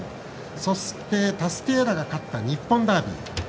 そして、タスティエーラが勝った日本ダービー。